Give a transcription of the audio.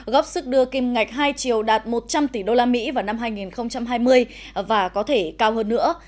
góp sức đưa kim ngạch hai triệu đạt một trăm linh tỷ usd vào năm hai nghìn hai mươi và có thể cao hơn nữa